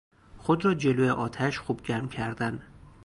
خود را جلو آتش خوب گرم کردن